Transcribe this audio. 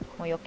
jangan aku aku